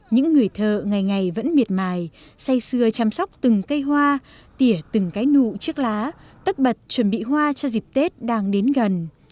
những người thợ ngày ngày vẫn miệt mài say xưa chăm sóc từng cây hoa tỉa từng cái nụ chiếc lá tất bật chuẩn bị hoa cho dịp tết đang đến gần